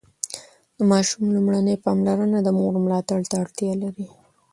د ماشوم لومړني پاملرنه د مور ملاتړ ته اړتیا لري.